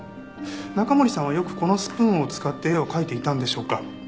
中森さんはよくこのスプーンを使って絵を描いていたんでしょうか？